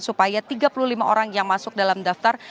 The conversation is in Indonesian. supaya tiga puluh lima orang yang masuk dalam daftar